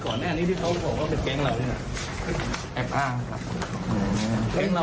ผู้บังคับการตำรวจผู้ท้องจังหวัดเชียงใหม่บอกว่าหลังเกิดเหตุก็สอบสวนขยายผล